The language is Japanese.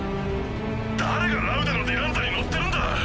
誰がラウダのディランザに乗ってるんだ？